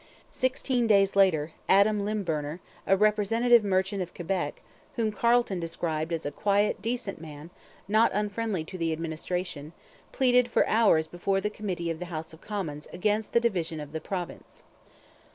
Sixteen days later Adam Lymburner, a representative merchant of Quebec, whom Carleton described as 'a quiet, decent man, not unfriendly to the administration,' pleaded for hours before the committee of the House of Commons against the division of the province.